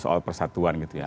soal persatuan gitu ya